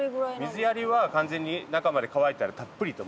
水やりは完全に中まで乾いたらたっぷりともう。